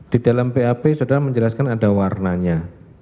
di dalam bap saudara menjelaskan ada warnanya